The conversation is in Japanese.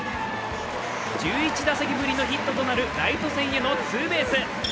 １１打席ぶりのヒットとなるライト線へのツーベース。